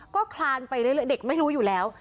ก็คลานไปเรื่อยเด็กไม่รู้อยู่แล้ว